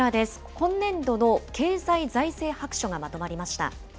今年度の経済財政白書がまとまりました。